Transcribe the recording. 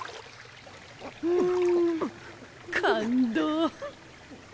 うん感動！